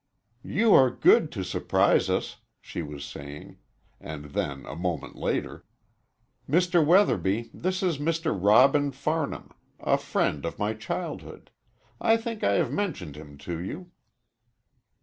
"You are good to surprise us," she was saying, and then, a moment later, "Mr. Weatherby, this is Mr. Robin Farnham a friend of my childhood. I think I have mentioned him to you."